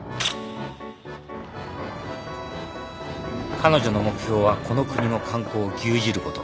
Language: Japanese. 彼女の目標はこの国の観光を牛耳ること。